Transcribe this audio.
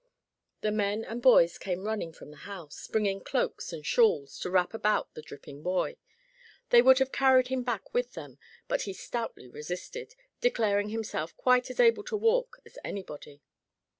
The men and boys came running from the house, bringing cloaks and shawls to wrap about the dripping boy. They would have carried him back with them, but he stoutly resisted, declaring himself quite as able to walk as anybody.